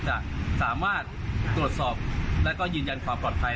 จะสามารถตรวจสอบและก็ยืนยันความปลอดภัย